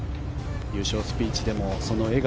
優勝スピーチでもその笑顔